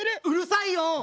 うるさいよ！